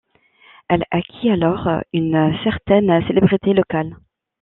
Elle acquiert alors une certaine célébrité locale.